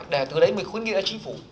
để từ đấy mình khuyến nghị là chính phủ